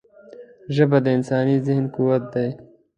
ژبه د انساني ذهن قوت ده